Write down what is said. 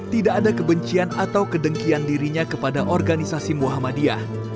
tidak ada kebencian atau kedengkian dirinya kepada organisasi muhammadiyah